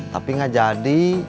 tapi nggak jadi